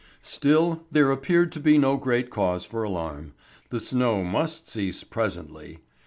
Still, there appeared to be no great cause for alarm. The snow must cease presently.